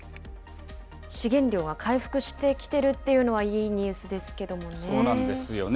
資源量が回復してきているというのは、いいニュースですけどそうなんですよね。